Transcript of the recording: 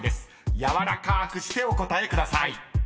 ［柔らかーくしてお答えください］